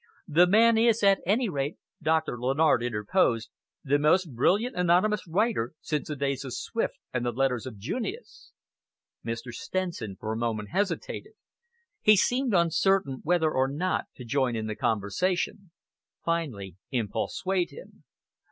"The man is, at any rate," Doctor Lennard interposed, "the most brilliant anonymous writer since the days of Swift and the letters of Junius." Mr. Stenson for a moment hesitated. He seemed uncertain whether or no to join in the conversation. Finally, impulse swayed him.